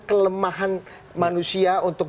kelemahan manusia untuk